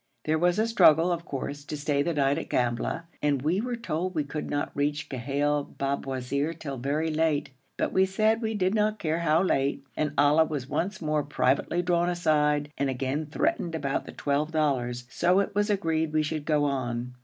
There was a struggle, of course, to stay the night at Gambla, and we were told we could not reach Ghail Babwazir till very late, but we said we did not care how late, and Ali was once more privately drawn aside, and again threatened about the twelve dollars, so it was agreed we should go on.